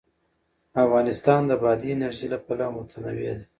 افغانستان د بادي انرژي له پلوه متنوع دی.